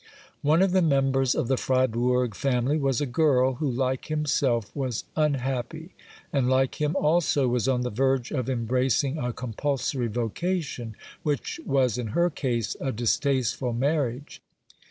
One of the members of the Fribourg family was a girl who, like himself, was unhappy and, like him also, was on the verge of em bracing a compulsory vocation, which was in her case a dis tasteful marriage.